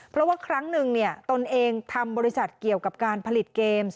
เพราะว่าครั้งหนึ่งตนเองทำบริษัทเกี่ยวกับการผลิตเกมส